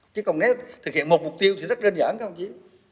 chứ còn nếu thực hiện một mục tiêu thì rất đơn giản không chứ